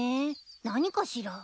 何かしら？